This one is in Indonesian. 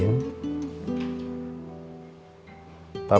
kamu lagi gak bisa berbicara